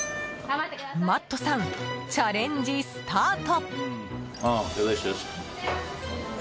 マットさんチャレンジスタート！